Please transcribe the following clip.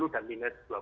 oleh karena itu tentunya